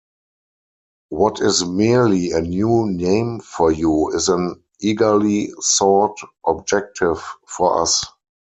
What is merely a new name for you is an eagerly-sought objective for us.